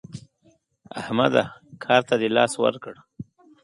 احمده کار ته دې لاس ورکړ؟